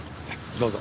どうぞ。